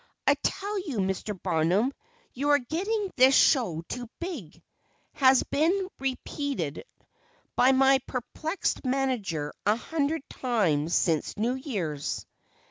"I tell you, Mr. Barnum, you are getting this show too big," has been repeated by my perplexed manager a hundred times since New Year's.